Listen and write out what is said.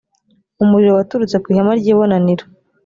umuriro waturutse ku ihema ry’ibonaniro